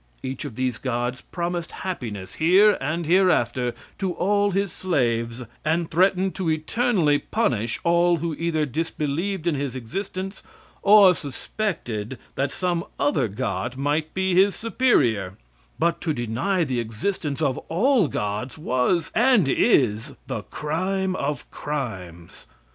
Each of these gods promised happiness here and hereafter to all his slaves, and threatened to eternally punish all who either disbelieved in his existence or suspected that some other God might be his superior; but to deny the existence of all gods was, and is, the crime of crimes.